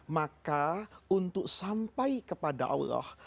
maka untuk sampai kepada allah